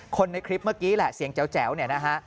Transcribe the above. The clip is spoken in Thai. คนในคลิปเมื่อกี้แหละเสียงแจ๋วเนี่ยนะฮะ